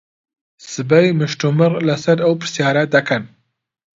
سبەی مشتومڕ لەسەر ئەو پرسیارە دەکەن.